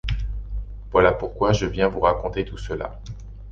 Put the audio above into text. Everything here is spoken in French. Voilà pourquoi je viens vous raconter tout cela.